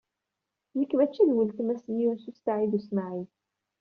Nekk mačči d weltma-s n Yunes u Saɛid u Smaɛil.